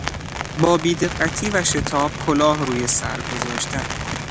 با بیدقتی و شتاب کلاه روی سر گذاشتن